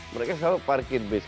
mereka selalu parkir base